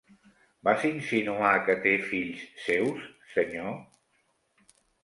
Vas insinuar que té fills seus, senyor?